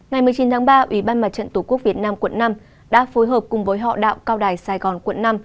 ngày một mươi chín tháng ba ủy ban mặt trận tổ quốc việt nam quận năm đã phối hợp cùng với họ đạo cao đài sài gòn quận năm